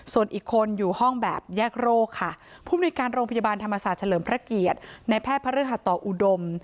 ส่วนอีกคนอยู่ห้องแบบแยกโรคค่ะผู้มนุยการโรงพยาบาลธรรมศาสตร์เฉลิมพระเกียรติในแพทย์พระฤหัสต่ออุดม